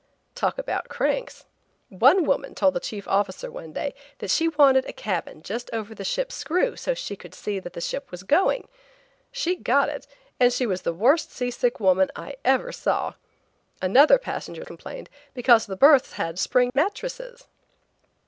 Talk about cranks! One woman told the chief officer one day that she wanted a cabin just over the ship's screw so she could tell that the ship was going! She got it, and she was the worst sea sick woman I ever saw. Another passenger complained because the berths had spring mattresses!